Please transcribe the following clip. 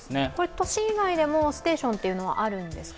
都心以外でもステーションはあるんですか？